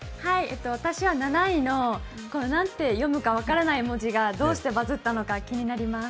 私は７位の何て読むか分からない文字がどうしてバズったのか気になります。